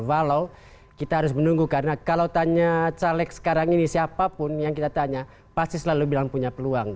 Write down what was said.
walau kita harus menunggu karena kalau tanya caleg sekarang ini siapapun yang kita tanya pasti selalu bilang punya peluang